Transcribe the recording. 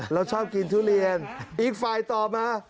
เราชอบกินทุเรียนอีกฝ่ายตอบมา